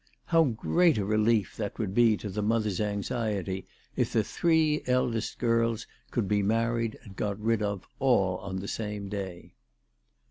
How great a relief that would be to the mother's anxiety if the three eldest girls could be married and got rid of all on the same day